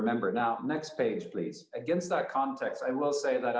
sebenarnya jika kita melihat kita melihat